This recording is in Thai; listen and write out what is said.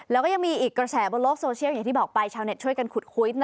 แล้วก็ยังมีอีกกระแสบนโลกโซเชียลอย่างที่บอกไปชาวเน็ตช่วยกันขุดคุย